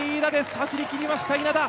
走りきりました、稲田。